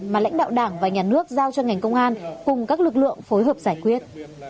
mà lãnh đạo đảng và nhà nước giao cho ngành công an cùng các lực lượng phối hợp giải quyết